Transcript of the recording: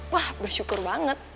wah bersyukur banget